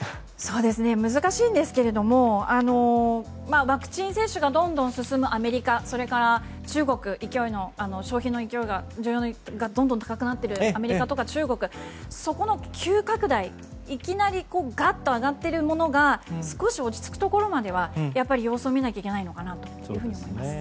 難しいんですがワクチン接種がどんどん進むアメリカそれから消費の勢い、需要がどんどん高くなっているアメリカとか中国そこの急拡大、いきなりがっと上がっているものが少し落ち着くところまではやっぱり様子を見なきゃいけないのかなと思います。